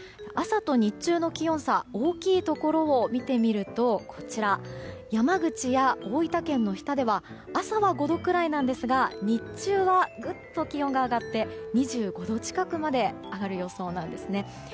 朝と日中の気温差大きいところを見てみると山口や大分県の日田では朝は５度くらいなんですが日中はぐっと気温が上がって２５度近くまで上がる予想なんですね。